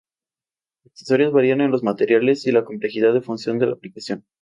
Accesorios varían en los materiales y la complejidad en función de la aplicación.